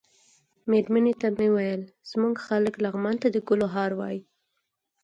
مېرمنې ته مې ویل زموږ خلک لغمان ته د ګلو هار وايي.